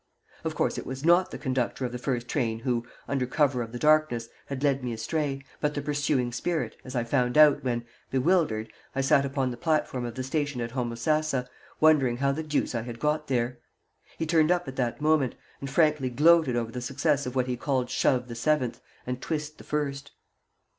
Of course it was not the conductor of the first train who, under cover of the darkness, had led me astray, but the pursuing spirit, as I found out when, bewildered, I sat upon the platform of the station at Homosassa, wondering how the deuce I had got there. He turned up at that moment, and frankly gloated over the success of what he called shove the seventh, and twist the first.